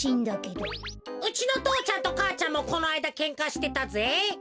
うちの父ちゃんと母ちゃんもこのあいだケンカしてたぜ。